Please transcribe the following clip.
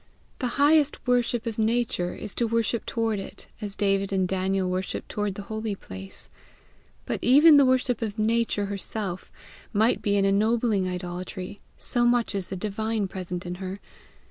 The highest worship of Nature is to worship toward it, as David and Daniel worshipped toward the holy place. But even the worship of Nature herself might be an ennobling idolatry, so much is the divine present in her.